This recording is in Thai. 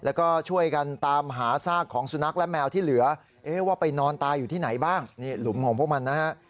แล้วก็ช่วยกันตามหาซากของสุนัขและแมวที่เหลือว่าไปนอนตายอยู่ที่ไหนบ้างนี่หลุมของพวกมันนะฮะ